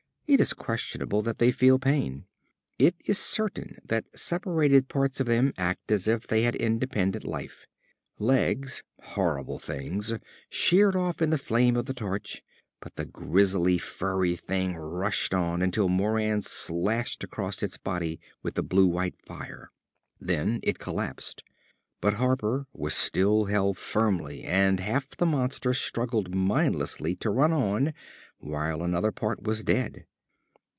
It is questionable that they feel pain. It is certain that separated parts of them act as if they had independent life. Legs horrible things sheared off in the flame of the torch, but the grisly furry thing rushed on until Moran slashed across its body with the blue white fire. Then it collapsed. But Harper was still held firmly and half the monster struggled mindlessly to run on while another part was dead.